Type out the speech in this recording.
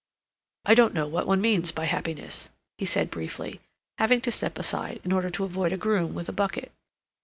"I don't know what one means by happiness," he said briefly, having to step aside in order to avoid a groom with a bucket.